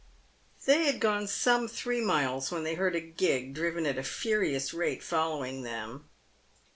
" They had gone some three miles, when they heard a gig, driven at a furious rate, following them.